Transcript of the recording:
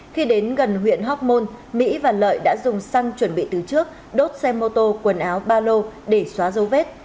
khi đến gần huyện hóc môn mỹ và lợi đã dùng xăng chuẩn bị từ trước đốt xe mô tô quần áo ba lô để xóa dấu vết